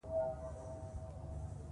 بادي انرژي د افغانستان طبعي ثروت دی.